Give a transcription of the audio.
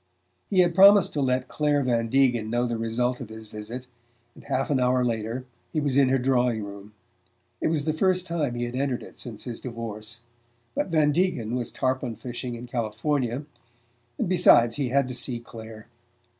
He had promised to let Clare Van Degen know the result of his visit, and half an hour later he was in her drawing room. It was the first time he had entered it since his divorce; but Van Degen was tarpon fishing in California and besides, he had to see Clare.